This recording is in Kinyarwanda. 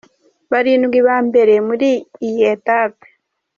Barindwi ba mbere muri iyi etape.